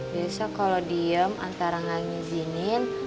biasa kalau diem antara gak nginzinin